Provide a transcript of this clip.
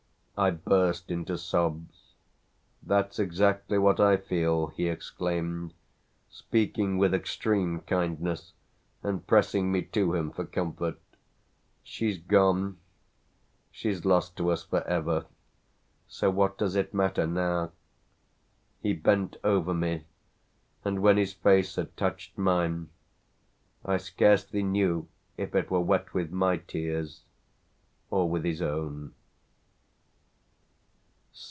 I burst into sobs. "That's exactly what I feel," he exclaimed, speaking with extreme kindness and pressing me to him for comfort. "She's gone; she's lost to us for ever: so what does it matter now?" He bent over me, and when his face had touched mine I scarcely knew if it were wet with my tears or with his own.